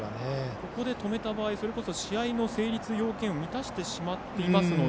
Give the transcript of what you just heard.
ここで止めた場合試合の成立要件を満たしてしまっていますので。